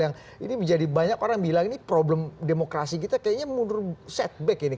yang ini menjadi banyak orang bilang ini problem demokrasi kita kayaknya mundur setback ini